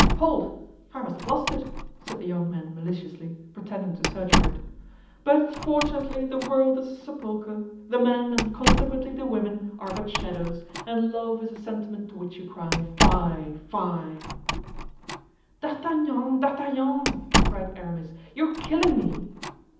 "Hold! I must have lost it," said the young man maliciously, pretending to search for it. "But fortunately the world is a sepulcher; the men, and consequently the women, are but shadows, and love is a sentiment to which you cry, 'Fie! Fie!'" "D'Artagnan, D'Artagnan," cried Aramis, "you are killing me!"